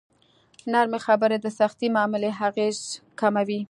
نرمې خبرې د سختې معاملې اغېز کموي.